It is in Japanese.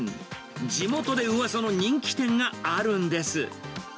地元でうわさの人気店があるんです。